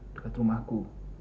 di dekat rumahku